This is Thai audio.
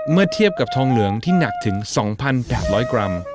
เมื่อเทียบกับทองเหลืองที่หนักถึง๒๘๐๐กรัม